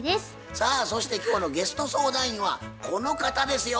さあそして今日のゲスト相談員はこの方ですよ。